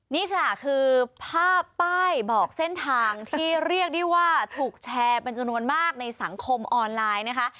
นี่ค่ะคือภาพป้ายบอกเส้นทางที่เรียกได้ว่าถูกแชร์เป็นจำนวนมากในสังคมออนไลน์นะคะ